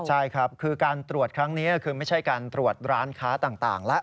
ใช่ครับคือการตรวจครั้งนี้คือไม่ใช่การตรวจร้านค้าต่างแล้ว